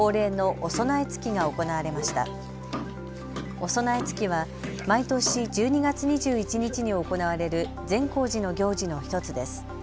おそなえつきは毎年１２月２１日に行われる善光寺の行事の１つです。